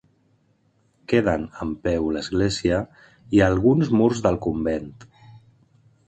Queden en peu l'església i alguns murs del convent.